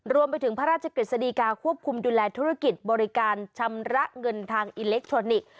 รวมไปถึงพระราชกฤษฎีกาควบคุมดูแลธุรกิจบริการชำระเงินทางอิเล็กทรอนิกส์